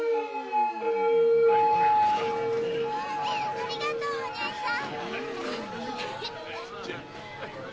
ありがとうお姉ちゃん。